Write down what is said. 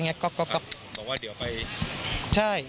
เราก็ไปคล้อกระโจ๊กให้งี้